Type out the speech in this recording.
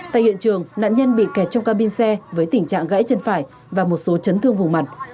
tại hiện trường nạn nhân bị kẹt trong cabin xe với tình trạng gãy chân phải và một số chấn thương vùng mặt